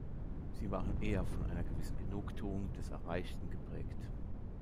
Sie waren eher von einer gewissen Genugtuung des Erreichten geprägt.